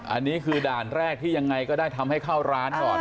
อันนี้คือด่านแรกที่ยังไงก็ได้ทำให้เข้าร้านก่อน